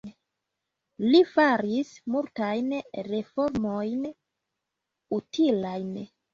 Li faris multajn reformojn utilajn.